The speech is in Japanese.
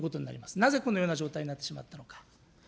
なぜ、このような状態になってしまったのか。